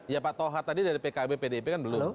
ya pak toha tadi dari pkb pdip kan belum